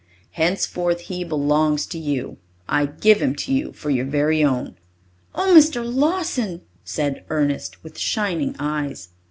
Henceforth he belongs to you. I give him to you for your very own." "Oh, Mr. Lawson!" said Ernest, with shining eyes.